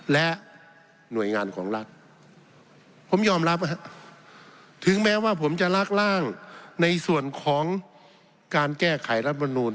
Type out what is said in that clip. และหน่วยงานของรัฐผมยอมรับถึงแม้ว่าผมจะลากร่างในส่วนของการแก้ไขรัฐมนูล